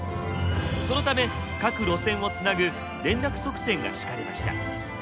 そのため各路線をつなぐ連絡側線が敷かれました。